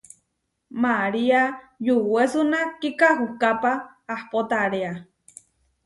María yuwésuna kikahúkápa ahpó taréa.